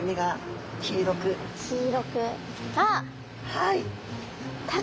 はい！